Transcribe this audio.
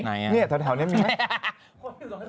ไหนอ่ะนี่แถวนี่มี